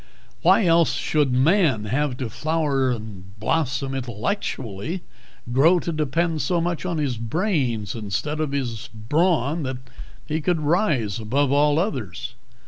Why else should man have begun to flower and blossom intellectually grow to depend so much on his brains instead of his brawn that he could rise above all others?